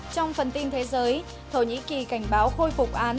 trong phần tin thế giới thổ nhĩ kỳ cảnh báo khôi phục án